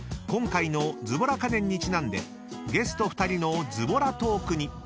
今回のズボラ家電にちなんでゲスト２人のズボラトークに］